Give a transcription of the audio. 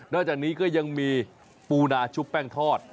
จากนี้ก็ยังมีปูนาชุบแป้งทอด